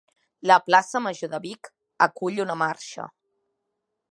La Plaça Major de Vic acull una marxa